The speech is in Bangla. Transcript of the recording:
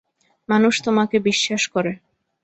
মানুষ তোমাকে বিশ্বাস করে।